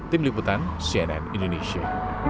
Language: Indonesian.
tim liputan cnn indonesia